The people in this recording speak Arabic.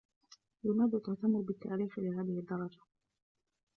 لماذا تهتم بالتاريخ لهذه الدرجة؟